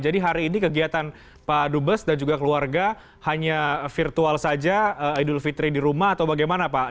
jadi hari ini kegiatan pak dubes dan juga keluarga hanya virtual saja idul fitri di rumah atau bagaimana pak